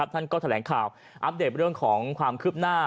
ท่านก็แถลงข่าวอัปเดตเรื่องของความคืบหน้า